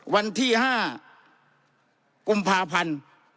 วันที่๕กุมภาพันธ์